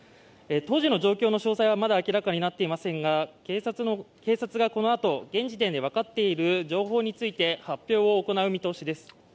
当時の状況の詳細はまだ明らかになっていませんが警察がこのあと現時点で分かっている情報について発表を行う見通しです。